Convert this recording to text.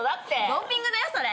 ドーピングだよそれ。